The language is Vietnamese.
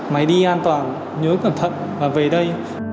máy đi an toàn nhớ cẩn thận và về đây